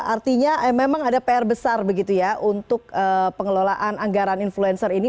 artinya memang ada pr besar begitu ya untuk pengelolaan anggaran influencer ini